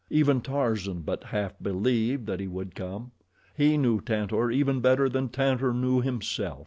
Even Tarzan but half believed that he would come. He knew Tantor even better than Tantor knew himself.